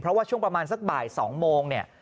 เพราะว่าช่วงประมาณสักบ่าย๒โมงเนี่ย